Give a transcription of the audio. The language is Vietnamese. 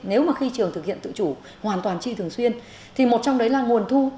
nếu mà khi trường thực hiện tự chủ hoàn toàn chi thường xuyên thì một trong đấy là nguồn thu